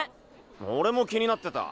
俺も気になってた。